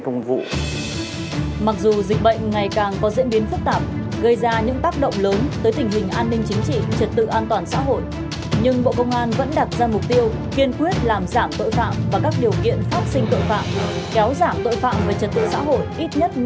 nhưng bộ công an vẫn đặt ra mục tiêu kiên quyết làm giảm tội phạm và các điều kiện phát sinh tội phạm kéo giảm tội phạm với trật tự xã hội ít nhất năm